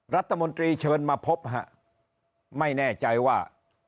รัฐมนตรีเชิญมาพบฮะไม่แน่ใจว่า